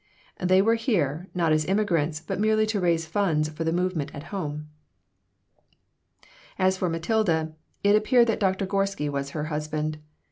They were here, not as immigrants, but merely to raise funds for the movement at home As for Matilda, it appeared that Doctor Gorsky was her husband.